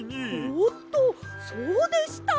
おっとそうでした！